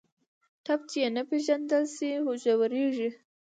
ټپ چې نه پېژندل شي، ژورېږي.